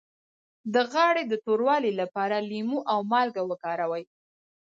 د غاړې د توروالي لپاره لیمو او مالګه وکاروئ